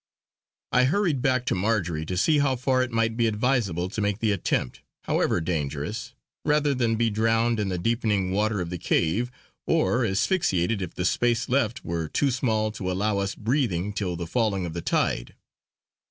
I hurried back to Marjory to see how far it might be advisable to make the attempt, however dangerous, rather than be drowned in the deepening water of the cave, or asphyxiated if the space left were too small to allow us breathing till the falling of the tide.